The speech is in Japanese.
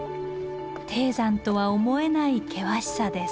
低山とは思えない険しさです。